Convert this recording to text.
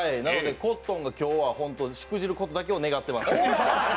コットンが今日はしくじることだけを祈ってます。